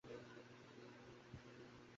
তোমার কাছে প্রায় পৌঁছে গেছে।